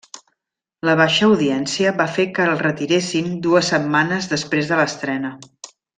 La baixa audiència va fer que el retiressin dues setmanes després de l'estrena.